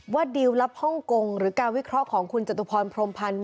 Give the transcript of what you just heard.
ดิวลลับฮ่องกงหรือการวิเคราะห์ของคุณจตุพรพรมพันธ์